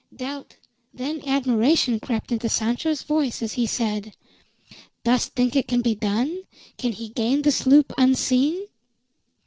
Doubt, then admiration, crept into Sancho's voice as he said: "Dost think it can be done? Can he gain the sloop unseen?"